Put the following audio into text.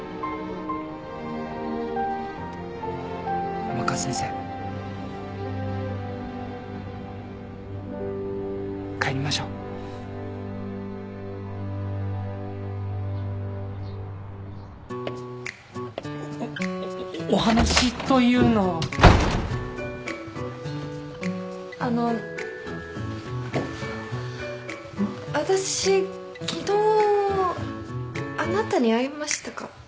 私昨日あなたに会いましたか？